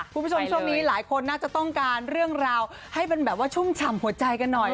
คุณผู้ชมช่วงนี้หลายคนน่าจะต้องการเรื่องราวให้มันแบบว่าชุ่มฉ่ำหัวใจกันหน่อย